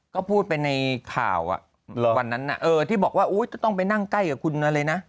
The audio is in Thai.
ก็พูดไปในข่าววันนั้นที่บอกว่าจะต้องไปนั่งใกล้กับคุณอะไรนะ